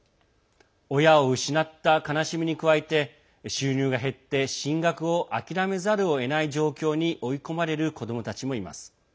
親を失った悲しみに加えて収入が減って進学を諦めざるをえない状況に追い込まれる子どもたちもいます。